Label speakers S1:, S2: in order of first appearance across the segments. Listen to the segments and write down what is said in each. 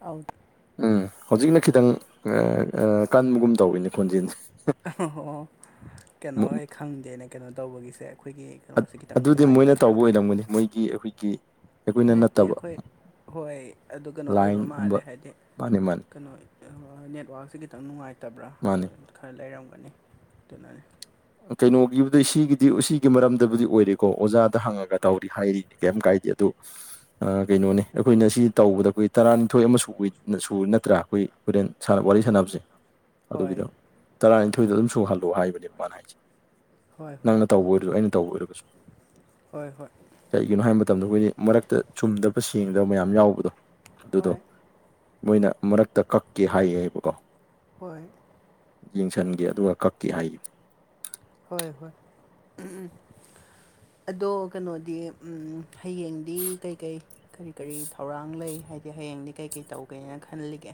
S1: ꯑꯥꯎ
S2: ꯎꯝ ꯍꯧꯖꯤꯛꯅ ꯈꯤꯇꯪ ꯑꯥ ꯑꯥ ꯀꯟꯕꯒꯨꯝ ꯇꯧꯋꯤꯅꯦ ꯈꯣꯟꯖꯦꯜꯁꯦ
S1: ꯑꯣ ꯀꯩꯅꯣ ꯑꯩ ꯈꯪꯗꯦꯅꯦ ꯀꯩꯅꯣ ꯇꯧꯕꯒꯤꯁꯦ ꯑꯩꯈꯣꯏꯒꯤ ꯀꯩꯅꯣꯁꯦ ꯈꯤꯇꯪ
S2: ꯑꯗꯨꯗꯤ ꯃꯣꯏꯅ
S1: ꯅꯨꯡꯉꯥꯏꯇꯕ꯭ꯔꯥ
S2: ꯇꯧꯕ ꯑꯣꯏꯔꯝꯒꯅꯤ ꯃꯣꯏꯒꯤ ꯑꯩꯈꯣꯏꯒꯤ ꯑꯩꯈꯣꯏꯅ
S1: ꯅꯠꯇꯦ
S2: ꯅꯠꯇꯕ
S1: ꯑꯩꯈꯣꯏ ꯍꯣꯏ ꯑꯗꯨ ꯀꯩꯅꯣ ꯑꯣꯏꯕ ꯃꯥꯜꯂꯦ
S2: ꯂꯥꯏꯟꯒꯨꯝꯕ
S1: ꯍꯥꯏꯗꯤ
S2: ꯃꯥꯅꯤ ꯃꯥꯅꯤ
S1: ꯀꯩꯅꯣ ꯅꯦꯠꯋꯥꯛꯁꯦ ꯈꯤꯇꯪ ꯅꯨꯡꯉꯥꯏꯇꯕ꯭ꯔꯥ ꯑꯗꯨ
S2: ꯃꯥꯅꯤ
S1: ꯈꯔ ꯂꯩꯔꯝꯒꯅꯤ ꯑꯗꯨꯅꯅꯤ
S2: ꯀꯩꯅꯣꯒꯤꯕꯨꯗꯤ ꯁꯤꯒꯤꯗꯤ ꯁꯤꯒꯤ ꯃꯔꯝꯗꯕꯨꯗꯤ ꯑꯣꯏꯔꯦꯀꯣ ꯑꯣꯖꯥꯗ ꯍꯪꯉꯒ ꯇꯧꯔꯤ ꯍꯥꯏꯔꯤ ꯀꯩꯝ ꯀꯥꯏꯗꯦ ꯑꯗꯨ ꯑꯥ ꯀꯩꯅꯣꯅꯦ ꯑꯩꯈꯣꯏꯅ ꯁꯤ ꯇꯧꯕꯗ ꯑꯩꯈꯣꯏ ꯇꯔꯥꯅꯤꯊꯣꯏ ꯑꯃ ꯁꯨꯏ ꯁꯨꯕ ꯅꯠꯇ꯭ꯔꯥ ꯑꯩꯈꯣꯏ ꯍꯣꯔꯦꯟ ꯁꯥ ꯋꯥꯔꯤ ꯁꯥꯟꯅꯕꯁꯦ
S1: ꯍꯣꯏ
S2: ꯑꯗꯨꯒꯤꯗ ꯇꯔꯥꯅꯤꯊꯣꯏꯗꯣ ꯑꯗꯨꯝ ꯁꯨꯍꯜꯂꯣ ꯍꯥꯏꯕꯅꯦ ꯃꯥꯅ ꯍꯥꯏꯖꯦ
S1: ꯍꯣꯏ ꯍꯣꯏ
S2: ꯅꯪꯅ ꯇꯧꯕ ꯑꯣꯏꯔꯖꯨ ꯑꯩꯅ ꯇꯧꯕ ꯑꯣꯏꯔꯒꯖꯨ
S1: ꯍꯣꯏ ꯍꯣꯏ
S2: ꯀꯩꯒꯤꯅꯣ ꯍꯥꯏꯕ ꯃꯇꯝꯗ ꯑꯩꯈꯣꯏꯗꯤ ꯃꯔꯛꯇ ꯆꯨꯝꯗꯕ ꯁꯦꯡꯗꯕ ꯃꯌꯥꯝ ꯌꯥꯎꯕꯗꯣ ꯑꯗꯨꯗꯣ
S1: ꯍꯣꯏ
S2: ꯃꯣꯏꯅ ꯃꯔꯛꯇ ꯀꯛꯀꯦ ꯍꯥꯏꯌꯦꯕꯀꯣ
S1: ꯍꯣꯏ
S2: ꯌꯦꯡꯁꯟꯒꯦ ꯑꯗꯨꯒ ꯀꯛꯀꯦ ꯍꯥꯏ
S1: ꯍꯣꯏ ꯍꯣꯏ ꯑꯗꯣ ꯀꯩꯅꯣꯗꯤ ꯎꯝ ꯍꯌꯦꯡꯗꯤ ꯀꯩꯀꯩ ꯀꯔꯤ ꯀꯔꯤ ꯊꯧꯔꯥꯡ ꯂꯩ ꯍꯥꯏꯗꯤ ꯍꯌꯦꯡꯗꯤ ꯀꯩꯀꯩ ꯇꯧꯒꯦꯅ ꯈꯜꯂꯤꯒꯦ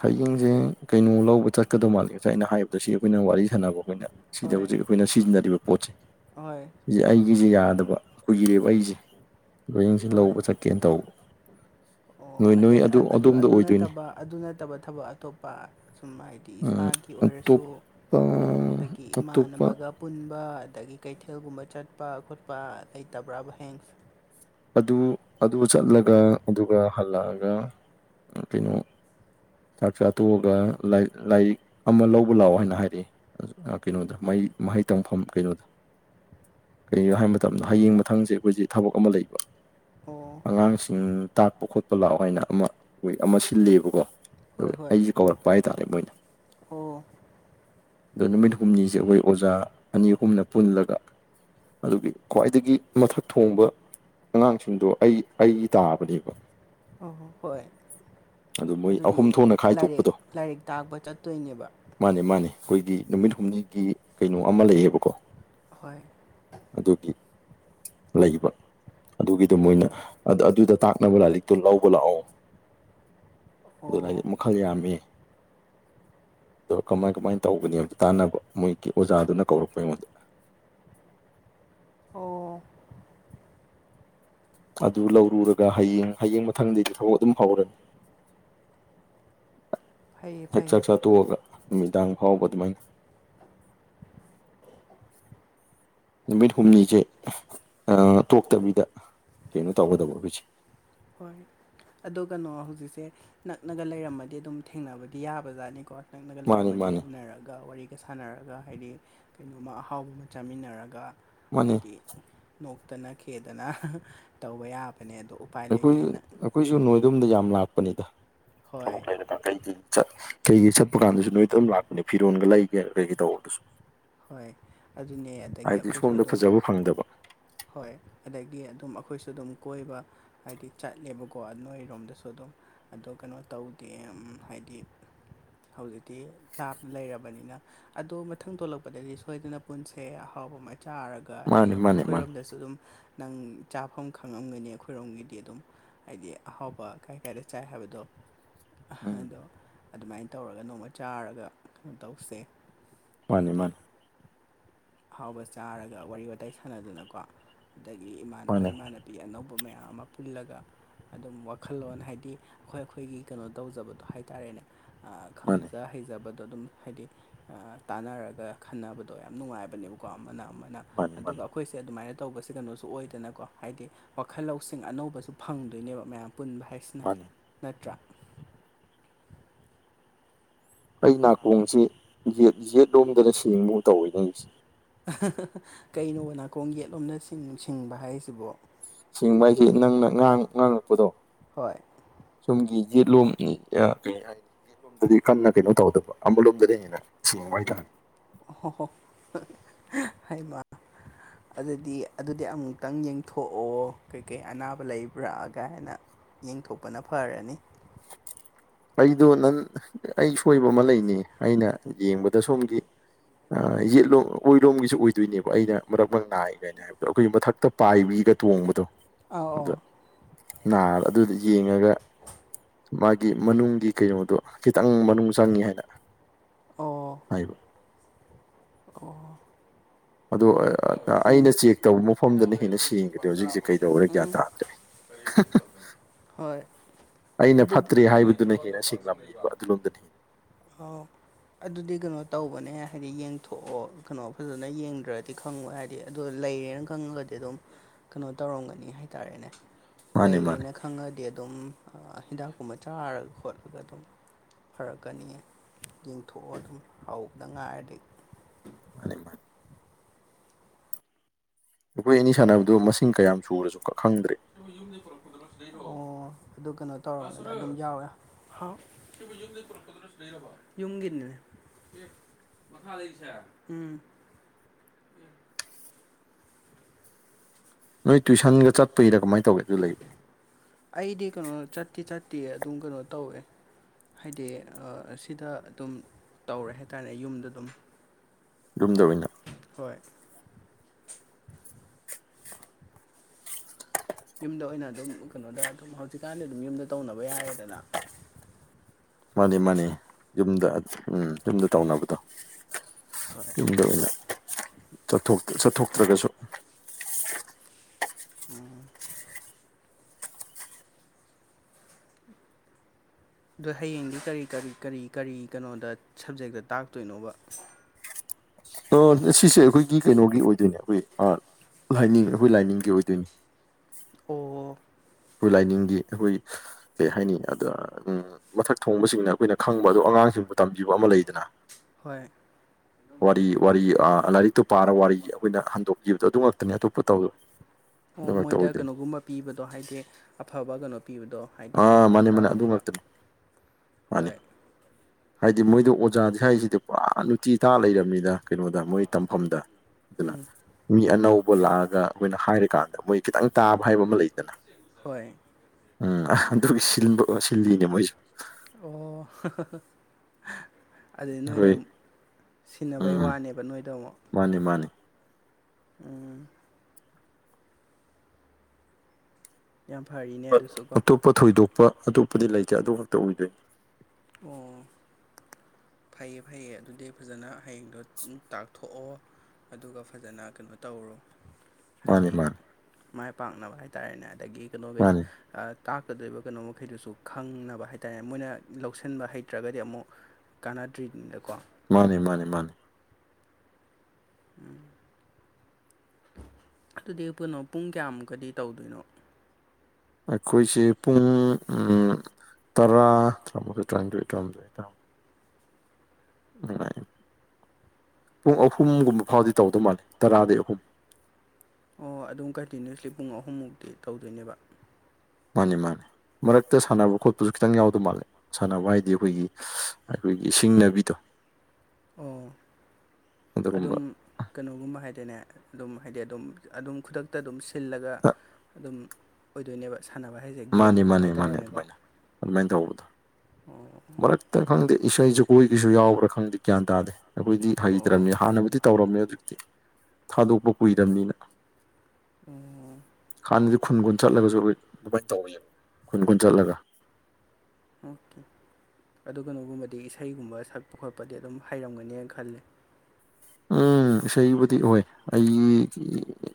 S2: ꯍꯌꯦꯡꯖꯦ ꯀꯩꯅꯣ ꯂꯧꯕ ꯆꯠꯀꯗꯧ ꯃꯥꯜꯂꯦ ꯉꯁꯥꯏ ꯑꯩꯅ ꯍꯥꯏꯕꯗꯣ ꯁꯤ ꯑꯩꯈꯣꯏꯅ ꯋꯥꯔꯤ ꯁꯥꯟꯅꯕ ꯑꯩꯈꯣꯏꯅ ꯁꯤꯗ
S1: ꯍꯣꯏ
S2: ꯍꯧꯖꯤꯛ ꯑꯩꯈꯣꯏꯅ ꯁꯤꯖꯤꯟꯅꯔꯤꯕ ꯄꯣꯠꯁꯦ
S1: ꯍꯣꯏ
S2: ꯁꯤꯖꯦ ꯑꯩꯒꯤꯖꯦ ꯌꯥꯗꯕ ꯀꯨꯏꯔꯦꯕ ꯑꯩꯖꯦ ꯂꯣꯌꯦꯡꯖꯦ
S1: ꯍꯣꯏ
S2: ꯂꯧꯕ ꯆꯠꯀꯦꯅ ꯇꯧꯕ
S1: ꯑꯣ
S2: ꯅꯣꯏ
S1: ꯑꯇꯩ
S2: ꯅꯣꯏ
S1: ꯑꯗꯨ
S2: ꯑꯗꯣꯝꯗ
S1: ꯑꯗꯨ
S2: ꯑꯣꯏꯗꯣꯏꯅꯤ
S1: ꯅꯠꯇꯕ ꯑꯗꯨ ꯅꯠꯇꯕ ꯊꯕꯛ ꯑꯇꯣꯞꯄ ꯁꯨꯝ ꯍꯥꯏꯗꯤ ꯗꯤ ꯏꯁꯥꯒꯤ ꯑꯣꯏꯔꯁꯨ
S2: ꯑꯇꯣꯞꯄ
S1: ꯑꯗꯥꯒꯤ
S2: ꯑꯇꯣꯞꯄ
S1: ꯏꯃꯥꯟꯅꯕꯒ ꯄꯨꯟꯕ ꯑꯗꯥꯒꯤ ꯀꯩꯊꯦꯜꯒꯨꯝꯕ ꯆꯠꯄ ꯈꯣꯠꯄ ꯂꯩꯇꯕ꯭ꯔꯥꯕ ꯍꯌꯦꯡꯁ
S2: ꯑꯗꯨ ꯑꯗꯨ ꯆꯠꯂꯒ ꯑꯗꯨꯒ ꯍꯜꯂꯛꯑꯒ ꯀꯩꯅꯣ ꯆꯥꯛ ꯆꯥ ꯇꯣꯛꯑꯒ ꯂꯥꯏ ꯂꯥꯏꯔꯤꯛ ꯑꯃ ꯂꯧꯕ ꯂꯥꯛꯑꯣ ꯍꯥꯏꯅ ꯍꯥꯏꯔꯛꯑꯦ ꯑꯁ ꯑꯥ ꯀꯩꯅꯣꯗ ꯃꯩ ꯃꯍꯩ ꯇꯝꯐꯝ ꯀꯩꯅꯣꯗ ꯀꯩꯒꯤꯅꯣ ꯍꯥꯏꯕ ꯃꯇꯝꯗ ꯍꯌꯦꯡ ꯃꯊꯪꯁꯦ ꯑꯩꯈꯣꯏꯁꯦ ꯊꯕꯛ ꯑꯃ ꯂꯩ
S1: ꯑꯣ
S2: ꯑꯉꯥꯡꯁꯤꯡ ꯇꯥꯛꯄ ꯈꯣꯠꯄ ꯂꯥꯛꯑꯣ ꯍꯥꯏꯅ ꯑꯃ ꯋꯤꯛ ꯑꯃ ꯁꯤꯜꯂꯤꯕꯀꯣ
S1: ꯍꯣꯏ
S2: ꯗꯨꯒ
S1: ꯍꯣꯏ
S2: ꯑꯩꯁꯦ ꯀꯧꯔꯛꯄ ꯍꯥꯏꯇꯥꯔꯦ ꯃꯣꯏꯅ
S1: ꯑꯣ
S2: ꯑꯗꯣ ꯅꯨꯃꯤꯠ ꯍꯨꯝꯅꯤꯁꯦ ꯑꯩꯈꯣꯏ ꯑꯣꯖꯥ ꯑꯅꯤ ꯑꯍꯨꯝꯅ ꯄꯨꯜꯂꯒ ꯑꯗꯨꯒꯤ ꯈ꯭ꯋꯥꯏꯗꯒꯤ ꯃꯊꯛ ꯊꯣꯡꯕ ꯑꯉꯥꯡꯁꯤꯡꯗꯣ ꯑꯩ ꯑꯩꯒꯤ ꯇꯥꯕꯅꯦꯕ
S1: ꯑꯣ ꯍꯣ ꯍꯣꯏ
S2: ꯑꯗꯨ ꯃꯣꯏ
S1: ꯑꯗꯨꯗꯤ
S2: ꯑꯍꯨꯝ ꯊꯣꯛꯅ
S1: ꯂꯥꯏꯔꯤꯛ
S2: ꯈꯥꯏꯗꯣꯛꯄꯗꯣ
S1: ꯂꯥꯏꯔꯤꯛ ꯇꯥꯛꯄ ꯆꯠꯇꯣꯏꯅꯦꯕ
S2: ꯃꯥꯅꯦ ꯃꯥꯅꯦ ꯑꯩꯈꯣꯏꯒꯤ ꯅꯨꯃꯤꯠ ꯍꯨꯝꯅꯤꯒꯤ ꯀꯩꯅꯣ ꯑꯃ ꯂꯩꯌꯦꯕꯀꯣ
S1: ꯍꯣꯏ
S2: ꯑꯗꯨꯒꯤ ꯂꯩꯕ ꯑꯗꯨꯒꯤꯗꯣ ꯃꯣꯏꯅ
S1: ꯑꯣ
S2: ꯑꯗꯥ ꯑꯗꯨꯗ ꯇꯥꯛꯅꯕ ꯂꯥꯏꯔꯤꯛꯇꯣ ꯂꯧꯕ ꯂꯥꯛꯑꯣ
S1: ꯑꯣ
S2: ꯑꯗꯨꯅꯗꯤ ꯃꯈꯜ ꯌꯥꯝꯃꯤ ꯑꯗꯣ ꯀꯃꯥꯏ ꯀꯃꯥꯏ ꯇꯧꯒꯅꯤ ꯍꯥꯏꯕꯗꯨ ꯇꯥꯟꯅꯕ ꯃꯣꯏꯒꯤ ꯑꯣꯖꯥꯗꯨꯅ ꯀꯧꯔꯛꯄ ꯑꯩꯉꯣꯟꯗ
S1: ꯑꯣ
S2: ꯑꯗꯨ ꯂꯧꯔꯨꯔꯒ ꯍꯌꯦꯡ ꯍꯌꯦꯡ ꯃꯊꯪꯗꯩꯗꯤ ꯊꯕꯛ ꯑꯗꯨꯝ ꯍꯧꯔꯅꯤ
S1: ꯐꯩꯌꯦ
S2: ꯍꯦꯛ ꯆꯥꯛ
S1: ꯐꯩꯌꯦ
S2: ꯆꯥ ꯇꯣꯛꯑꯒ ꯅꯨꯃꯤꯗꯥꯡ ꯐꯥꯎꯕ ꯑꯗꯨꯃꯥꯏ ꯅꯨꯃꯤꯠ
S1: ꯐꯩ
S2: ꯍꯨꯝꯅꯤꯁꯦ ꯑꯥ ꯇꯣꯛꯇꯕꯤꯗ ꯀꯩꯅꯣ ꯇꯧꯒꯗꯧꯕ ꯑꯩꯈꯣꯏꯁꯦ
S1: ꯍꯣꯏ ꯑꯗꯨ ꯀꯩꯅꯣ ꯍꯧꯖꯤꯛꯁꯦ ꯅꯛꯅꯒ ꯂꯩꯔꯝꯃꯗꯤ ꯑꯗꯨꯝ ꯊꯦꯡꯅꯕꯗꯤ ꯌꯥꯕꯖꯥꯠꯅꯤꯀꯣ ꯅꯛꯅꯒ
S2: ꯃꯥꯅꯤ
S1: ꯂꯩꯔꯝꯃꯗꯤ
S2: ꯃꯥꯅꯤ
S1: ꯎꯅꯔꯒ ꯋꯥꯔꯤ ꯁꯥꯟꯅꯔꯒ ꯍꯥꯏꯗꯤ ꯀꯩꯅꯣꯝꯃ ꯑꯍꯥꯎꯕꯒꯨꯝꯕ ꯆꯥꯃꯤꯟꯅꯔꯒ
S2: ꯃꯥꯅꯤ
S1: ꯍꯥꯏꯗꯤ ꯅꯣꯛꯇꯅ ꯈꯦꯗꯅ ꯇꯧꯕ ꯌꯥꯕꯅꯦ ꯑꯗꯣ ꯎꯄꯥꯏ ꯂꯩ
S2: ꯈꫭꯏꯁꯨ ꯑꯩꯈꯣꯏꯁꯨ ꯅꯣꯏꯗꯣꯝꯗ ꯌꯥꯝ ꯂꯥꯛꯄꯅꯤꯗ ꯊꯕꯛ
S1: ꯍꯣꯏ
S2: ꯂꯩꯔꯗꯥ ꯀꯩꯒꯤ ꯆꯠ ꯀꯩꯒꯤ ꯆꯠꯄ ꯀꯥꯟꯗꯁꯨ ꯅꯣꯏꯗ ꯑꯗꯨꯝ ꯂꯥꯛꯄꯅꯦ ꯐꯤꯔꯣꯟꯒ ꯂꯩꯒꯦꯅꯦ ꯀꯩꯀꯩ ꯇꯧꯕꯗꯁꯨ
S1: ꯍꯣꯏ ꯑꯗꯨꯅꯦ ꯑꯗꯥꯒꯤ
S2: ꯍꯥꯏꯕꯗꯤ
S1: ꯑꯩꯈꯣꯏꯁꯨ
S2: ꯁꯣꯝꯗ
S1: ꯑꯗꯨꯝ
S2: ꯐꯖꯕ ꯐꯪꯗꯕ
S1: ꯍꯣꯏ ꯑꯗꯥꯒꯤ ꯑꯗꯨꯝ ꯑꯩꯈꯣꯏꯁꯨ ꯑꯗꯨꯝ ꯀꯣꯏꯕ ꯍꯥꯏꯗꯤ ꯆꯠꯂꯦꯕꯀꯣ ꯅꯣꯏꯔꯣꯝꯗꯁꯨ ꯑꯗꯨꯝ ꯑꯗꯣ ꯀꯩꯅꯣ ꯇꯧꯗꯦ ꯎꯝ ꯍꯥꯏꯗꯤ ꯍꯧꯖꯤꯛꯇꯤ ꯂꯥꯞꯅ ꯂꯩꯔꯕꯅꯤꯅ ꯑꯗꯣ ꯃꯊꯪ ꯊꫭꯡꯂꯛꯄꯗꯗꯤ ꯁꯣꯏꯗꯅ ꯄꯨꯟꯁꯦ ꯑꯍꯥꯎꯕ ꯑꯃ ꯆꯥꯔꯒ ꯑꯥ ꯑꯗꯒꯤ
S2: ꯃꯥꯅꯤ ꯃꯥꯅꯤ ꯃꯥꯅꯤ
S1: ꯑꯩꯈꯣꯏꯔꯣꯝꯗꯁꯨ ꯑꯗꯨꯝ ꯅꯪ ꯆꯥꯐꯝ ꯈꯪꯉꯝꯒꯅꯤ ꯑꯩꯈꯣꯏꯔꯣꯝꯒꯤꯗꯤ ꯑꯗꯨꯝ ꯍꯥꯏꯗꯤ ꯑꯍꯥꯎꯕ ꯀꯥꯏ ꯀꯥꯏꯗ ꯆꯥꯏ ꯍꯥꯏꯕꯗꯣ
S2: ꯎꯝ
S1: ꯑꯗꯣ ꯑꯗꯨꯃꯥꯏꯟ ꯇꯧꯔꯒ ꯅꯣꯡꯃ ꯆꯥꯔꯒ ꯀꯩꯅꯣ ꯇꯧꯁꯦ
S2: ꯃꯥꯅꯤ
S1: ꯍꯥꯏꯗꯤ
S2: ꯃꯥꯅꯤ
S1: ꯑꯍꯥꯎꯕ ꯆꯥꯔꯒ ꯋꯥꯔꯤ ꯋꯥꯇꯥꯏ ꯁꯥꯟꯅꯗꯅꯀꯣ ꯑꯗꯒꯤ ꯏꯃꯥꯟꯅꯕ
S2: ꯃꯥꯅꯤ
S1: ꯏꯃꯥꯟꯅꯕꯤ ꯕꯤ ꯑꯅꯧꯕ ꯃꯌꯥꯝ ꯑꯃ ꯄꯨꯜꯂꯒ ꯑꯗꯨꯝ ꯋꯥꯈꯜꯂꯣꯟ ꯍꯥꯏꯗꯤ ꯑꯩꯈꯣꯏ ꯑꯩꯈꯣꯏꯒꯤ ꯀꯩꯅꯣ ꯇꯧꯖꯕꯗꯣ ꯍꯥꯏꯇꯥꯔꯦꯅꯦ ꯑꯥ
S2: ꯃꯥꯅꯤ
S1: ꯈꯪꯖ ꯍꯩꯖꯕꯗꯣ ꯗꯨꯝ ꯍꯥꯏꯗꯤ ꯑꯥ ꯇꯥꯟꯅꯔꯒ ꯈꯟꯅꯕꯗꯣ ꯌꯥꯝ ꯅꯨꯡꯉꯥꯏꯕ ꯅꯦꯕꯀꯣ ꯑꯃꯅ ꯑꯃꯅ
S2: ꯃꯥꯅꯤ ꯃꯥꯅꯤ
S1: ꯑꯗꯨꯒ ꯑꯩꯈꯣꯏꯁꯦ ꯑꯗꯨꯃꯥꯏꯅ ꯇꯧꯕꯁꯦ ꯀꯩꯅꯣꯁꯨ ꯑꯣꯏꯗꯅꯀꯣ ꯍꯥꯏꯗꯤ ꯋꯥꯈꯜ ꯂꯧꯁꯤꯡ ꯑꯅꯧꯕꯁꯨ ꯐꯪꯗꯣꯏꯅꯦꯕ ꯃꯌꯥꯝ ꯄꯨꯟꯕ ꯍꯥꯏꯁꯤꯅ
S2: ꯃꯥꯅꯤ
S1: ꯅꯠꯇ꯭ꯔꯥ
S2: ꯑꯩ
S1: ꯍꯣꯏ
S2: ꯅꯥꯀꯣꯡꯁꯤ ꯌꯦꯠ ꯌꯦꯠꯂꯣꯝꯗꯅ ꯁꯦꯡꯕꯒꯨꯝ ꯇꯧꯋꯤꯅꯦꯁꯦ
S1: ꯀꯩꯅꯣ ꯅꯥꯀꯣꯡ ꯌꯦꯠꯂꯣꯝꯗ ꯁꯤꯡ ꯁꯤꯡꯕ ꯍꯥꯏꯁꯤꯕꯣ
S2: ꯁꯦꯡꯕ ꯍꯥꯏꯁꯦ ꯅꯪꯅ ꯉꯥꯡ ꯉꯥꯡꯉꯛꯄꯗꯣ
S1: ꯍꯣꯏ
S2: ꯁꯨꯝꯒꯤ ꯌꯦꯠꯂꯣꯝ ꯏ ꯑꯥ ꯀꯩ ꯍꯥꯏꯅꯤ ꯂꯣꯝꯗꯗꯤ ꯀꯟꯅ ꯀꯩꯅꯣ ꯇꯧꯗꯕ ꯑꯃꯂꯣꯝꯗꯅ ꯍꯦꯟꯅ ꯁꯦꯡꯕ ꯍꯥꯏ ꯇꯥꯔꯦ
S1: ꯍꯩꯃ ꯑꯗꯨꯗꯤ ꯑꯗꯨꯗꯤ ꯑꯃꯨꯛꯇꯪ ꯌꯦꯡꯊꯣꯛꯑꯣ ꯀꯩꯀꯩ ꯑꯅꯥꯕ ꯂꯩꯕ꯭ꯔꯥꯥ ꯀꯥꯏꯍꯥꯏꯅ ꯌꯦꯡꯊꯣꯛꯄꯅ ꯐꯔꯅꯤ
S2: ꯑꯩꯗꯣ ꯅꯪ ꯑꯩ ꯁꯣꯏꯕ ꯑꯃ ꯂꯩꯅꯦ ꯑꯩꯅ ꯌꯦꯡꯕꯗ ꯁꯣꯝꯒꯤ ꯑꯥ ꯌꯦꯠꯂꯣꯝ ꯑꯣꯏꯔꯣꯝꯒꯤꯁꯦ ꯑꯣꯏꯗꯣꯏꯅꯦꯕ ꯑꯩꯅ ꯃꯔꯛ ꯃꯔꯛ ꯅꯥꯏꯒ ꯍꯥꯏꯕꯗꯣ ꯑꯈꯣꯏ ꯃꯊꯛꯇ ꯄꯥꯏꯕꯤꯒ ꯇꯣꯡꯕꯗꯣ
S1: ꯑꯥ ꯑꯣ
S2: ꯑꯗ ꯅꯥ ꯑꯗꯨꯗꯣ ꯌꯦꯡꯉꯒ ꯃꯥꯒꯤ ꯃꯅꯨꯡꯒꯤ ꯀꯩꯅꯣꯗꯣ ꯈꯤꯇꯪ ꯃꯅꯨꯡ ꯆꯪꯉꯦ ꯍꯥꯏꯅ
S1: ꯑꯣ
S2: ꯍꯥꯏꯕ
S1: ꯑꯣ
S2: ꯑꯗꯣ ꯑꯩꯅ
S1: ꯎꯝ
S2: ꯆꯦꯛ ꯇꯧꯕ ꯃꯐꯝꯗꯅ ꯍꯦꯟꯅ ꯁꯦꯡꯈꯔ꯭ꯦ ꯍꯧꯖꯤꯛꯁꯦ ꯀꯩꯗꯧꯔꯦ ꯒ꯭ꯌꯥꯟ
S1: ꯎꯝ
S2: ꯇꯥꯗ꯭ꯔꯦ
S1: ꯍꯣꯏ
S2: ꯑꯩꯅ
S1: ꯑꯗꯨꯗꯤ
S2: ꯐꯠꯇ꯭ꯔꯦ
S1: ꯍꯩꯅꯧ
S2: ꯍꯥꯏꯕꯗꯨꯅ
S1: ꯂꯩꯇ꯭ꯔꯕ
S2: ꯍꯦꯟꯅ
S1: ꯑꯇꯣꯞꯄ ꯅꯪ
S2: ꯁꯦꯡꯂꯝꯃꯦꯕ
S1: ꯂꯩꯕꯗꯣ
S2: ꯑꯗꯨꯂꯣꯝꯗꯅ ꯍꯦꯟꯅ
S1: ꯑꯥꯎ ꯑꯗꯨꯗꯤ ꯀꯩꯅꯣ ꯇꯧꯕꯅꯦ ꯍꯥꯏꯗꯤ ꯌꯦꯡꯊꯣꯛꯑꯣ ꯀꯩꯅꯣ ꯐꯖꯅ ꯌꯦꯡꯗ꯭ꯔꯗꯤ ꯈꯪꯕ꯭ꯔꯥ ꯍꯥꯏꯗꯤ ꯑꯗꯣ ꯂꯩꯌꯦꯅ ꯈꯪꯉꯒꯗꯤ ꯑꯗꯨꯝ ꯀꯩꯅꯣ ꯇꯧꯔꯝꯒꯅꯤ ꯍꯥꯏꯇꯥꯔꯦꯅꯦ
S2: ꯃꯥꯅꯦ ꯃꯥꯅꯦ
S1: ꯂꯩꯌꯦꯅ ꯈꯪꯉꯗꯤ ꯑꯗꯨꯝ ꯑꯥ ꯍꯤꯗꯥꯛꯀꯨꯝꯕ ꯆꯥꯔꯒ ꯈꯣꯠꯂꯒ ꯑꯗꯨꯝ ꯐꯔꯛꯀꯅꯤꯌꯦ ꯌꯦꯡꯊꯣꯛꯑꯣ ꯑꯗꯨꯝ ꯍꯧꯕꯗ ꯉꯥꯏꯔꯗꯤ
S2: ꯃꯥꯅꯦ ꯃꯥꯅꯦ ꯑꯩꯈꯣꯏ ꯑꯅꯤ ꯁꯥꯟꯅꯕꯗꯣ ꯃꯁꯤꯡ ꯀꯌꯥꯝ ꯁꯨꯔꯁꯨꯀꯣ ꯈꯪꯗꯦ
S1: ꯑꯣ ꯑꯗꯨ ꯀꯩꯅꯣ ꯇꯧꯔꯁꯨ ꯑꯗꯨꯝ ꯌꯥꯎꯔꯦ ꯍꯥ [unintelligible] ꯌꯨꯝꯒꯤꯅꯦ ꯑꯦ ꯃꯈꯥ ꯂꯩꯁꯦ ꯎꯝ
S2: ꯅꯣꯏ ꯇꯨꯏꯁꯟꯒ ꯆꯠꯄꯩꯔ ꯀꯃꯥꯏ ꯇꯧꯏ ꯑꯗꯨ ꯂꯩꯕ
S1: ꯑꯩꯗꯤ ꯀꯩꯅꯣ ꯆꯠꯇꯤ ꯆꯠꯇꯤꯌꯦ ꯑꯗꯨꯝ ꯀꯩꯅꯣ ꯇꯧꯋꯦ ꯍꯥꯏꯗꯤ ꯑꯥ ꯁꯤꯗ ꯑꯗꯨꯝ ꯇꯧꯔꯦ ꯍꯥꯏꯇꯥꯔꯦ ꯌꯨꯝꯗ ꯑꯗꯨꯝ
S2: ꯌꯨꯝꯗ ꯑꯣꯏꯅ
S1: ꯍꯣꯏ ꯌꯨꯝꯗ ꯑꯣꯏꯅ ꯑꯗꯨꯝ ꯀꯩꯅꯣꯗ ꯑꯗꯨꯝ ꯍꯧꯖꯤꯛꯀꯥꯟꯗꯤ ꯑꯗꯨꯝ ꯌꯨꯝꯗ ꯇꯧꯅꯕ ꯌꯥꯔꯦꯗꯅ
S2: ꯃꯥꯅꯦ ꯃꯥꯅꯦ ꯌꯨꯝꯗ ꯎꯝ ꯌꯨꯝꯗ ꯇꯧꯅꯕꯗꯣ
S1: ꯍꯣꯏ
S2: ꯌꯨꯝꯗ ꯑꯣꯏꯅ ꯆꯠꯊꯣꯛ ꯆꯠꯊꯣꯛꯇ꯭ꯔꯒꯁꯨ
S1: ꯎꯝ ꯑꯗꯣ ꯍꯌꯦꯡꯗꯤ ꯀꯔꯤ ꯀꯔꯤ ꯀꯔꯤ ꯀꯔꯤ ꯀꯩꯅꯣꯗ ꯁꯕꯖꯦꯛꯇ ꯇꯥꯛꯇꯣꯏꯅꯣꯕ
S2: ꯑ ꯁꯤꯁꯦ ꯑꯩꯈꯣꯏꯒꯤ ꯀꯩꯅꯣꯒꯤ ꯑꯣꯏꯗꯣꯏꯅꯦ ꯑꯩꯈꯣꯏ ꯑꯥ ꯂꯥꯏꯅꯤꯡ ꯑꯩꯈꯣꯏ ꯂꯥꯏꯅꯤꯡꯒꯤ ꯑꯣꯏꯗꯣꯏꯅꯤ
S1: ꯑꯣ
S2: ꯑꯈꯣꯏ ꯂꯥꯏꯅꯤꯡꯒꯤ ꯑꯩꯈꯣꯏ ꯀꯩ ꯍꯥꯏꯅꯤ ꯑꯗ ꯎꯝ ꯃꯊꯛ ꯊꯣꯡꯕꯁꯤꯡꯅ ꯑꯈꯣꯏꯅ ꯈꯪꯕ ꯑꯗꯣ ꯑꯉꯥꯡꯁꯤꯡꯕꯨ ꯇꯝꯕꯤꯕ ꯑꯃ ꯂꯩꯗꯅ
S1: ꯍꯣꯏ
S2: [inaudible] ꯋꯥꯔꯤ ꯋꯥꯔꯤ ꯑꯥ ꯂꯥꯏꯔꯤꯛꯇꯨ ꯄꯥꯔ ꯋꯥꯔꯤ ꯑꯈꯣꯏꯅ ꯍꯟꯗꯣꯛꯄꯤꯕꯗꯣ ꯑꯗꯨ ꯉꯛꯇꯅꯤ ꯑꯇꯣꯞꯄ ꯇꯧꯔꯣꯏ ꯑꯗꯨ
S1: ꯑꯣ
S2: ꯉꯥꯛꯇ
S1: ꯃꯣꯏꯗ
S2: ꯑꯣꯏꯗꯣꯏꯅꯤ
S1: ꯀꯩꯅꯣꯒꯨꯝꯕ ꯄꯤꯕꯗꯣ ꯍꯥꯏꯗꯤ ꯑꯐꯕ ꯀꯩꯅꯣ ꯄꯤꯕꯗꯣ ꯍꯥꯏꯗꯤ
S2: ꯑꯥ ꯃꯥꯅꯦ ꯃꯥꯅꯦ ꯑꯗꯨ
S1: ꯄꯥꯎꯇꯥꯛꯀꯨꯝꯕ
S2: ꯉꯥꯛꯇꯅꯤ ꯃꯥꯅꯤ
S1: ꯍꯣꯏ
S2: ꯍꯥꯏꯗꯤ ꯃꯣꯏꯗꯣ ꯑꯣꯖꯥꯗꯤ ꯍꯥꯏꯁꯤꯗꯤ ꯄꯨꯔꯥ ꯇꯤ ꯇꯥ ꯂꯩꯔꯕꯅꯤꯅ ꯀꯩꯅꯣꯗ ꯃꯣꯏ ꯇꯝꯐꯝꯗ ꯑꯗꯨꯅ
S1: ꯎꯝ
S2: ꯃꯤ ꯑꯅꯧꯕ ꯂꯥꯛꯑꯒ ꯑꯈꯣꯏꯅ ꯍꯥꯏꯔꯀꯥꯟꯗ ꯃꯣꯏ ꯈꯤꯇꯪ ꯇꯥꯕ ꯍꯥꯏꯕ ꯑꯃ ꯂꯩꯗꯅ
S1: ꯍꯣꯏ
S2: ꯎꯝ ꯑ ꯑꯗꯨꯒꯤ ꯁꯤꯟꯕ ꯁꯤꯜꯂꯤꯅꯦ ꯃꯣꯏꯁꯨ
S1: ꯑꯣ ꯍꯥ ꯍꯥ ꯍꯥ ꯑꯗꯨꯗꯤ ꯅꯣꯏꯅ
S2: ꯑꯩꯈꯣꯏ
S1: ꯁꯤꯟꯅꯕꯩ ꯋꯥꯅꯦꯕ ꯅꯣꯏꯗ ꯑꯃꯨꯛ
S2: ꯃꯥꯅꯦ ꯃꯥꯅꯦ
S1: ꯎꯝ ꯌꯥꯝ ꯐꯔꯤꯅꯦ ꯑꯗꯨꯁꯨ ꯀꯣ
S2: ꯄꯨ ꯊꯣꯏꯗꯣꯛꯄ ꯑꯇꯣꯞꯄꯗꯤ ꯂꯩꯇꯦ ꯑꯗꯨ ꯈꯛꯇ ꯑꯣꯏꯗꯣꯏꯅꯤ
S1: ꯑꯣ ꯐꯩꯌꯦ ꯐꯩꯌꯦ ꯑꯗꯨꯗꯤ ꯐꯖꯅ ꯍꯌꯦꯡꯗꯣ ꯇꯥꯛꯊꯣꯛ ꯑꯣ ꯑꯗꯨꯒ ꯐꯖꯅ ꯀꯩꯅꯣ ꯇꯧꯔꯣ
S2: ꯃꯥꯅꯤ
S1: ꯍꯥꯏꯗꯤ
S2: ꯃꯥꯅꯤ
S1: ꯃꯥꯏ ꯄꯥꯛꯅꯕ ꯍꯥꯏꯇꯥꯔꯦꯅꯦ ꯑꯗꯒꯤ ꯀꯩꯅꯣꯈꯩꯗꯤ
S2: ꯃꯥꯅꯤ
S1: ꯑꯥ ꯇꯥꯛꯀꯗꯧꯔꯤꯕ ꯀꯩꯅꯣ ꯃꯈꯩꯗꯨꯁꯨ ꯈꯪꯅꯕ ꯍꯥꯏꯇꯥꯔꯦ ꯃꯣꯏꯅ ꯂꯧꯁꯤꯟꯕ ꯍꯩꯇ꯭ꯔꯒꯗꯤ ꯑꯃꯨꯛ ꯀꯥꯟꯅꯗ꯭ꯔꯤꯅꯤꯅꯀꯣ
S2: ꯃꯥꯅꯦ ꯃꯥꯅꯦ ꯃꯥꯅꯦ
S1: ꯎꯝ ꯑꯗꯨꯗꯤ ꯑꯩ ꯀꯣꯏꯅꯣ ꯄꯨꯡ ꯀꯌꯥꯃꯨꯛꯀꯗꯤ ꯇꯧꯗꯣꯏꯅꯣ
S2: ꯑꯩꯈꯣꯏꯁꯦ ꯄꯨꯡ ꯇꯔꯥ ꯇꯔꯥꯃꯊꯣꯏ ꯇꯔꯥꯅꯤꯊꯣꯏ ꯇꯔꯥꯍꯨꯝꯗꯣꯏ ꯇꯔꯃ ꯎ ꯄꯨꯡ
S1: ꯑꯣ
S2: ꯑꯍꯨꯝꯒꯨꯝꯕ ꯐꯥꯎꯗꯤ ꯇꯧꯗꯧ ꯃꯥꯜꯂꯦ ꯇꯔꯥꯗꯒꯤ ꯑꯍꯨꯝ
S1: ꯑꯣ ꯑꯗꯨꯝ ꯀꯟꯇꯤꯅ꯭ꯌꯨꯁꯂꯤ ꯄꯨꯡ ꯑꯍꯨꯝꯃꯨꯛꯇꯤ ꯇꯧꯗꯣꯏꯅꯦꯕ
S2: ꯃꯥꯅꯤ ꯃꯥꯅꯤ ꯃꯔꯛꯇ ꯁꯥꯟꯅꯕ ꯈꯣꯠꯄꯁꯨ ꯈꯤꯇꯪ ꯌꯥꯎꯗ ꯃꯥꯂꯦ ꯁꯥꯟꯅꯕ ꯍꯥꯏꯗꯤ ꯑꯩꯈꯣꯏꯒꯤ ꯑꯩꯈꯣꯏꯒꯤ ꯁꯤꯡꯅꯕꯤꯗꯣ
S1: ꯑꯣ
S2: ꯑꯗꯨꯒꯨꯝꯕ
S1: ꯑꯗꯨꯝ ꯀꯩꯅꯣꯒꯨꯝꯕ ꯍꯥꯏꯗꯅꯦ ꯑꯗꯨꯝ ꯍꯥꯏꯗꯤ ꯑꯗꯨꯝ ꯑꯗꯨꯝ ꯈꯨꯗꯛꯇ ꯑꯗꯨꯝ ꯁ ꯁꯤꯜꯂꯒ
S2: ꯑ
S1: ꯑꯗꯨꯝ ꯑꯣꯏꯗꯣꯏꯅꯦꯕ ꯁꯥꯟꯅꯕ ꯍꯥꯏꯁꯦ
S2: ꯃꯥꯅꯦ
S1: ꯒꯦꯝꯒꯨꯝꯕ
S2: ꯃꯥꯅꯦ ꯃꯥꯅꯦ
S1: ꯍꯥꯏꯇꯥꯔꯦꯅꯦꯀꯣ
S2: ꯑꯗꯨꯃꯥꯏꯅ ꯑꯗꯨꯃꯥꯏꯅ ꯇꯧꯕꯗꯣ
S1: ꯑꯣ
S2: ꯃꯔꯛꯇ ꯈꯪꯗꯦ ꯏꯁꯩ ꯖꯒꯣꯏꯒꯤꯁꯨ ꯌꯥꯎꯕ꯭ꯔꯥ ꯈꯪꯗꯦ ꯒ꯭ꯌꯥꯟ ꯇꯥꯗꯦ ꯑꯩꯈꯣꯏꯗꯤ
S1: ꯑꯣ
S2: ꯍꯩꯇ꯭ꯔꯕꯅꯤ ꯍꯥꯟꯅꯕꯨꯗꯤ ꯇꯧꯔꯝꯃꯦ ꯍꯧꯖꯤꯛꯇꯤ ꯊꯥꯗꯣꯛꯄ ꯀꯨꯏꯔꯕꯅꯤꯅ
S1: ꯎꯝ
S2: ꯍꯥꯟꯅꯗꯤ ꯈꯨꯟ ꯒꯨꯟ ꯆꯠꯂꯒꯁꯨ ꯑꯩꯈꯣꯏ ꯑꯗꯨꯃꯥꯏꯅ ꯇꯧꯋꯦꯕ ꯈꯨꯟ ꯀꯨꯟ ꯆꯠꯂꯒ
S1: ꯑꯣꯀꯦ ꯑꯗꯨ ꯀꯩꯅꯣꯒꯨꯝꯕꯗꯤ ꯏꯁꯩꯒꯨꯝꯕ ꯁꯛꯄ ꯈꯣꯠꯄꯗꯤ ꯑꯗꯨꯝ ꯍꯩꯔꯝꯒꯅꯦꯅ ꯈꯜꯂꯦ
S2: ꯎꯝ ꯏꯁꯩꯕꯨꯗꯤ ꯍꯣꯏ ꯑꯩꯒꯤ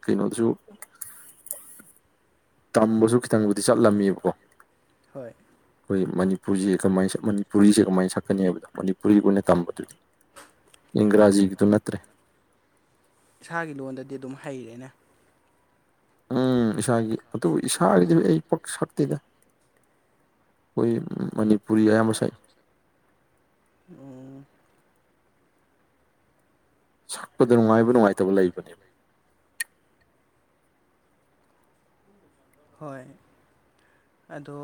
S2: ꯀꯩꯅꯣꯗꯨꯁꯨ ꯇꯝꯕꯁꯨ ꯈꯤꯇꯪꯕꯨꯗꯤ ꯆꯠꯂꯝꯃꯦꯕꯀꯣ
S1: ꯍꯣꯏ
S2: ꯑꯩꯈꯣꯏ ꯃꯅꯤꯄꯨꯔꯁꯦ ꯀꯃꯥꯏꯟ ꯁꯛ ꯃꯅꯤꯄꯨꯔꯤꯁꯦ ꯀꯃꯥꯏꯂ ꯁꯛꯀꯅꯤ ꯍꯥꯏꯕꯗ ꯃꯅꯤꯄꯨꯔꯤ ꯑꯣꯏꯅ ꯇꯝꯕꯗꯨꯗꯤ
S1: ꯑꯣ
S2: ꯏꯪꯒꯔꯥꯖꯤꯒꯤꯗꯨ ꯅꯠꯇ꯭ꯔꯦ
S1: ꯏꯁꯥꯒꯤ ꯂꯣꯟꯗꯗꯤ ꯑꯗꯨꯝ ꯍꯩꯔꯦꯅꯦ
S2: ꯎꯝ ꯏꯁꯥꯒꯤ ꯑꯗꯨꯕꯨ ꯏꯁꯥꯒꯤꯗꯤ ꯑꯩ ꯄꯛ ꯁꯛꯇꯦꯗ ꯈꯣꯏ ꯃꯅꯤꯄꯨꯔꯤ ꯑꯌꯥꯝꯕ ꯁꯛꯏ
S1: ꯎꯝ
S2: ꯁꯛꯄꯗ ꯅꯨꯡꯉꯥꯏꯕ ꯅꯨꯡꯉꯥꯏꯇꯕ ꯂꯩꯕꯅꯦꯕ
S1: ꯍꯣꯏ ꯑꯗꯣ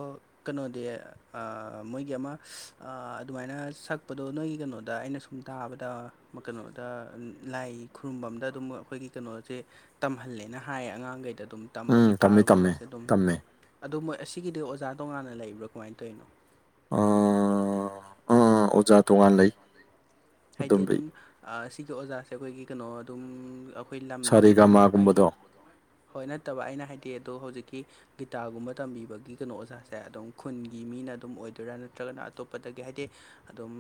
S1: ꯀꯩꯅꯣꯗꯤ ꯑ ꯃꯣꯏꯒꯤ ꯑꯃ ꯑꯗꯨꯃꯥꯏꯅ ꯁꯛꯄꯗꯣ ꯅꯣꯏꯒꯤ ꯀꯩꯅꯣꯗ ꯑꯩꯅ ꯁꯨꯝ ꯇꯥꯕꯗ ꯑꯃ ꯀꯩꯅꯣꯗ ꯂꯥꯏ ꯈꯨꯔꯨꯝꯕꯝꯗ ꯑꯗꯨꯝ ꯑꯩꯈꯣꯏꯒꯤ ꯀꯩꯅꯣꯖꯦ ꯇꯝꯍꯜꯂꯦꯅ ꯍꯥꯏꯌꯦ ꯑꯉꯥꯡꯒꯩꯗ ꯑꯗꯨꯝ ꯇꯝꯕ
S2: ꯎꯝ ꯇꯝꯃꯦ ꯇꯝꯃꯦ
S1: ꯒꯤꯇꯥꯔꯒꯨꯝꯕꯁꯦ ꯑꯗꯨꯝ
S2: ꯇꯝꯃꯦ
S1: ꯑꯗꯣ ꯃꯣꯏ ꯑꯁꯤꯒꯤꯗꯤ ꯑꯣꯖꯥ ꯇꯣꯉꯥꯟꯅ ꯂꯩꯕ꯭ꯔꯥ ꯀꯃꯥꯏꯟ ꯇꯧꯋꯤꯅꯣ
S2: ꯑꯥ ꯑ ꯑꯣꯖꯥ ꯇꯣꯉꯥꯟ ꯂꯩ
S1: ꯍꯥꯏꯗꯤ
S2: ꯑꯗꯨꯝꯕꯩ
S1: ꯑꯗꯨꯝ ꯑ ꯁꯤꯒꯤ ꯑꯣꯖꯥꯁꯦ ꯑꯩꯈꯣꯏꯒꯤ ꯀꯩꯅꯣ ꯑꯗꯨꯝ ꯑ ꯈꯣꯏ ꯂꯝꯗꯨꯒꯤ
S2: ꯁꯥꯔꯦ
S1: ꯑꯗꯨꯝ ꯅꯣꯏꯒꯤ
S2: ꯒꯃꯥꯒꯨꯝꯕꯗꯣ
S1: ꯍꯣꯏ ꯅꯠꯇꯕ ꯑꯩꯅ ꯍꯥꯏꯗꯤ ꯑꯗꯣ ꯍꯧꯖꯤꯛꯀꯤ ꯒꯤꯇꯥꯔꯒꯨꯝꯕ ꯇꯝꯕꯤꯕꯒꯤ ꯀꯩꯅꯣ ꯑꯣꯖꯥꯁꯦ ꯑꯗꯨꯝ ꯈꯨꯟꯒꯤ ꯃꯤꯅ ꯑꯗꯨꯝ ꯑꯣꯏꯗꯣꯏꯔꯥ ꯅꯠꯇ꯭ꯔꯒꯅ ꯑꯇꯣꯞꯄꯗꯒꯤ ꯍꯥꯏꯗꯤ ꯑꯗꯨꯝ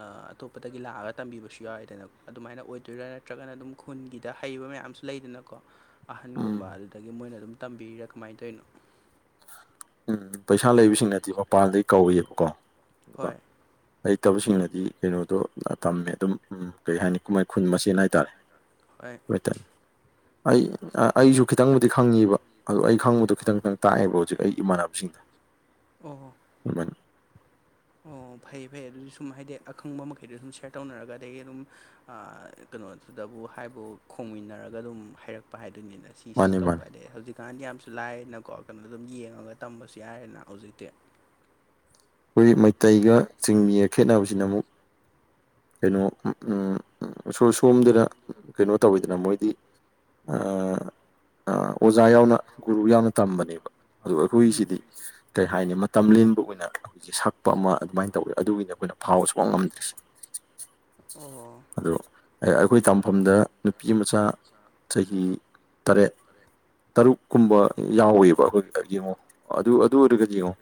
S1: ꯑ ꯑꯇꯣꯞꯄ ꯇꯒꯤ ꯂꯥꯛꯑꯒ ꯇꯝꯕꯤꯕꯁꯨ ꯌꯥꯎꯋꯦꯗꯅ ꯑꯗꯨꯃꯥꯏꯅ ꯑꯣꯏꯗꯣꯏꯔꯥ ꯅꯠꯇ꯭ꯔꯒꯅ ꯑꯗꯨꯝ ꯈꯨꯟꯒꯤꯗ ꯍꯩꯕ ꯃꯌꯥꯝꯁꯨ ꯂꯩꯗꯅꯀꯣ
S2: ꯎꯝ
S1: ꯑꯍꯟꯒꯨꯝꯕ ꯑꯗꯨꯗꯒꯤ ꯃꯣꯏꯅ ꯑꯗꯨꯝ ꯇꯝꯕꯤꯔꯤꯔꯥ ꯀꯃꯥꯏ ꯇꯣꯏꯅꯣ
S2: ꯎꯝ ꯄꯩꯁꯥ ꯂꯩꯕꯁꯤꯡꯅꯗꯤ ꯃꯄꯥꯟꯗꯒꯤ ꯀꯧꯋꯦꯕꯀꯣ ꯑꯗꯨꯒ
S1: ꯍꯣꯏ
S2: ꯍꯩꯇꯕꯁꯤꯡꯅꯗꯤ ꯀꯩꯅꯣꯗꯣ ꯇꯝꯃꯦ ꯑꯗꯨꯝ ꯎꯝ ꯀꯩ ꯍꯥꯏꯅꯤ ꯃꯣꯏ ꯈꯨꯟ ꯃꯁꯦꯟ ꯍꯥꯏꯇꯥꯔꯦ
S1: ꯑꯩ
S2: ꯕꯦꯇ ꯑꯩ ꯑꯥ ꯑꯩꯁꯨ ꯈꯤꯇꯪꯕꯨꯗꯤ ꯈꯪꯉꯤꯕ ꯑꯗꯣ ꯑꯩ ꯈꯪꯕꯗꯣ ꯈꯤꯇꯪ ꯈꯤꯇꯪ ꯇꯥꯛꯑꯦꯕ ꯍꯧꯖꯤꯛ ꯑꯩ ꯏꯃꯥꯟꯅꯕꯁꯤꯡ
S1: ꯑꯣ
S2: [unintelligible]
S1: ꯑꯣ ꯐꯩ ꯐꯩ ꯑꯗꯨꯗꯤ ꯁꯨꯝ ꯍꯥꯏꯗꯤ ꯑꯈꯪꯕ ꯃꯈꯩꯗꯣ ꯁꯨꯝ ꯁꯤꯌꯔ ꯇꯧꯅꯔꯒ ꯑꯗꯒꯤ ꯑꯗꯨꯝ ꯑꯥ ꯀꯩꯅꯣꯗꯨꯗꯕꯨ ꯍꯥꯏꯕꯨ ꯈꯣꯡꯃꯤꯟꯅꯔꯒ ꯑꯗꯨꯝ ꯍꯩꯔꯛꯄ ꯍꯥꯏꯗꯨꯅꯤꯗ ꯁꯤꯁꯤ
S2: ꯃꯥꯅꯤ
S1: ꯇꯧꯕ
S2: ꯃꯥꯅꯤ
S1: ꯍꯥꯏꯗꯤ ꯍꯧꯖꯤꯛꯀꯥꯟꯗꯤ ꯌꯥꯝꯁꯨ ꯂꯥꯏꯔꯦꯅꯀꯣ ꯀꯩꯅꯣ ꯑꯗꯨꯝ ꯌꯦꯡꯉꯒ ꯇꯝꯕꯁꯨ ꯌꯥꯏꯌꯦꯅꯥ ꯍꯧꯖꯤꯛꯇꯤ
S2: ꯍꯨꯖꯤꯛ ꯃꯩꯇꯩꯒ ꯆꯤꯡꯃꯤ ꯑ ꯈꯦꯠꯅꯕꯖꯤꯅ ꯑꯃꯨꯛ ꯀꯩꯅꯣ ꯎꯝ ꯎꯝ ꯁꯣ ꯁꯣꯝꯗꯅ ꯀꯩꯅꯣ ꯇꯧꯋꯤꯗꯅ ꯃꯣꯏꯗꯤ ꯑꯥ ꯑꯥ ꯑꯣꯖꯥ ꯌꯥꯎꯅ ꯒꯨꯔꯨ ꯌꯥꯎꯅ ꯇꯝꯕꯅꯦꯕ ꯑꯗꯨꯒ
S1: ꯎꯝ
S2: ꯑꯩꯈꯣꯏꯒꯤꯁꯤꯗꯤ ꯀꯩ ꯍꯥꯏꯅꯤ ꯃꯇꯝ ꯂꯦꯟꯕ ꯑꯣꯏꯅ ꯑꯩꯈꯣꯏꯖꯦ ꯁꯛꯄ ꯑꯃ ꯑꯗꯨꯃꯥꯏꯟ ꯇꯧꯋꯦ ꯑꯗꯨꯒꯤꯅꯦ ꯑꯩꯈꯣꯏꯅ ꯐꯥꯎꯕ ꯁꯨꯡꯉꯝ ꯉꯝꯗ꯭ꯔꯤꯁꯦ
S1: ꯑꯣ
S2: ꯑꯗꯨ ꯑꯩ ꯑꯩꯈꯣꯏ ꯇꯥꯝꯐꯝꯗ ꯅꯨꯄꯤ ꯃꯆꯥ ꯆꯍꯤ ꯇꯔꯦꯠ ꯇꯔꯨꯛꯀꯨꯝꯕ ꯌꯥꯎꯔꯤꯕ ꯑꯩꯈꯣꯏ ꯀ ꯌꯦꯡꯉꯣ ꯑꯗꯨ ꯑꯗꯨ ꯑꯣꯏꯔꯒꯗꯤ ꯌꯦꯡꯉꯣ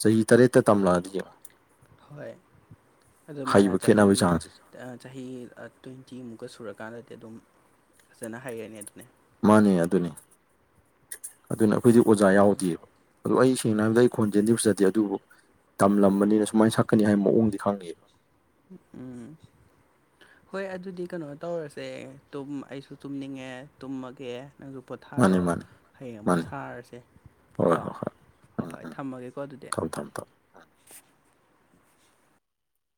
S2: ꯆꯍꯤ ꯇꯔꯦꯠꯇ ꯇꯝꯂꯛꯑꯗꯤ ꯌꯦꯡꯉꯣ
S1: ꯍꯣꯏ ꯑꯗꯨ ꯃꯥꯅ
S2: ꯍꯩꯕ
S1: ꯆꯍꯤ
S2: ꯈꯦꯠꯅꯕꯒꯤ ꯆꯥꯡꯁꯦ
S1: ꯑꯥ ꯆꯍꯤ ꯇꯣꯏꯇꯤꯃꯨꯛꯀ ꯁꯨꯔꯀꯥꯟꯗꯗꯤ ꯑꯗꯨꯝ ꯐꯖꯅ ꯍꯩꯔꯅꯤ ꯑꯗꯨꯅꯦ
S2: ꯃꯥꯅꯦ ꯑꯗꯨꯅꯦ ꯑꯗꯨꯅ ꯑꯈꯣꯏꯗꯤ ꯑꯣꯖꯥ
S1: ꯎꯝ
S2: ꯌꯥꯎꯗꯦꯕ ꯑꯗꯨ ꯑꯩ ꯁꯦꯡꯅ ꯍꯥꯏꯕꯗ ꯑꯩ ꯈꯣꯟꯖꯦꯟꯗꯤ ꯐꯖꯗꯦ ꯑꯗꯨꯕꯨ ꯇꯝꯂꯝꯕꯅꯤꯅ ꯁꯨꯃꯥꯏꯅ ꯁꯛꯀꯅꯤ ꯍꯥꯏꯕ ꯃꯑꯣꯡꯗꯤ ꯈꯪꯉꯦ
S1: ꯎꯝ ꯍꯣꯏ ꯑꯗꯨꯗꯤ ꯀꯩꯅꯣ ꯇꯧꯔꯁꯦ ꯇꯨꯝ ꯑꯩꯁꯨ ꯇꯨꯝꯅꯤꯡꯉꯦ ꯇꯨꯝꯃꯒꯦ ꯅꯪꯖꯨ
S2: ꯃꯥꯅꯦ
S1: ꯄꯣꯊꯥꯔꯣ
S2: ꯃꯥꯅꯦ
S1: ꯍꯌꯦꯡ ꯑꯃꯨꯛ
S2: ꯃꯥꯅꯦ
S1: ꯁꯥꯔꯁꯦ ꯀꯣ
S2: ꯍꯣꯏ ꯍꯣꯏ ꯍꯣꯏ
S1: ꯍꯣꯏ
S2: ꯎꯝ
S1: ꯍꯣꯏ
S2: ꯎꯝ
S1: ꯊꯝꯃꯒꯦꯀꯣ ꯑꯗꯨꯗꯤ
S2: ꯊꯝꯃꯦ ꯊꯝꯃꯦ